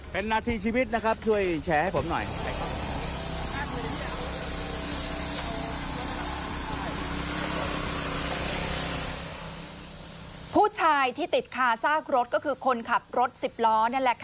เป็นนาทีชีวิตนะครับช่วยแชร์ให้ผมหน่อย